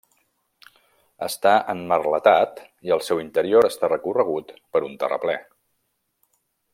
Està emmerletat i el seu interior està recorregut per un terraplè.